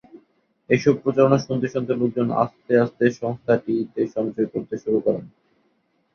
এসব প্রচারণা শুনতে শুনতে লোকজন আস্তে আস্তে সংস্থাটিতে সঞ্চয় করতে শুরু করেন।